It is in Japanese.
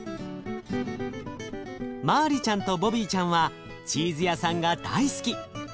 マーリちゃんとボビーちゃんはチーズ屋さんが大好き。